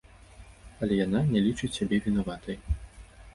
Але яна не лічыць сябе вінаватай!